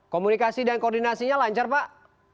komunikasi dan koordinasinya lancar pak